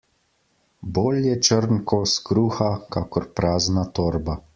Bolje črn kos kruha, kakor prazna torba.